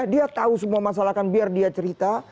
dia tahu semua masalah kan biar dia cerita